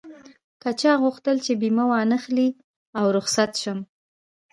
که چا غوښتل چې بيمه و نه اخلي او رخصت شم.